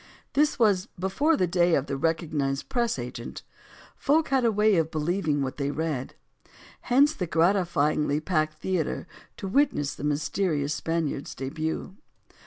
This was before the day of the recognized press agent. Folk had a way of believing what they read. Hence the gratifyingly packed theater to wit ness the mysterious Spaniard's debut.